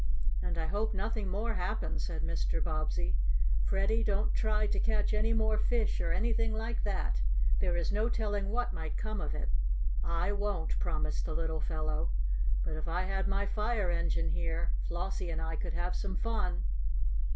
"And I hope nothing more happens," said Mr. Bobbsey. "Freddie, don't try to catch any more fish, or anything like that. There is no telling what might come of it." "I won't," promised the little fellow. "But if I had my fire engine here Flossie and I could have some fun."